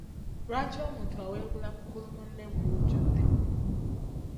Lwaki omuntu awebuula mukulu munne mu lujjudde.